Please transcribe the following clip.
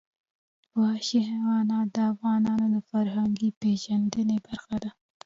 وحشي حیوانات د افغانانو د فرهنګي پیژندنې برخه ده.